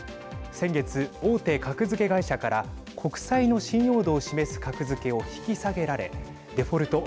先月、大手格付け会社から国債の信用度を示す格付けを引き下げられデフォルト＝